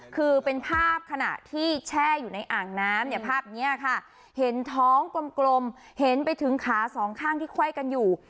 คือเป็นภาพขณะที่แช่อยู่ในอ่างน้ำเนี่ยภาพนี้ค่ะเห็นท้องกลมเห็นไปถึงขาสองข้างที่ไขว้กันอยู่